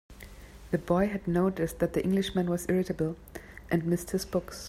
The boy had noticed that the Englishman was irritable, and missed his books.